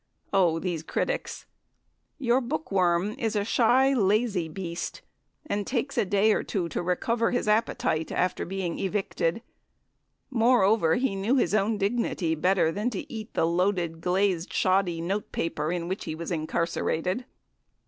Oh, these critics! Your bookworm is a shy, lazy beast, and takes a day or two to recover his appetite after being "evicted." Moreover, he knew his own dignity better than to eat the "loaded" glazed shoddy note paper in which he was incarcerated.